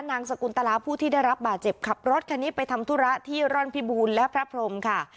สกุลตลาผู้ที่ได้รับบาดเจ็บขับรถคันนี้ไปทำธุระที่ร่อนพิบูรณ์และพระพรมค่ะ